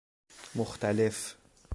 مختلف